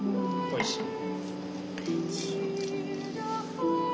おいしい。